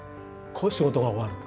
仕事が終わると。